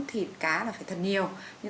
thịt cá là phải thật nhiều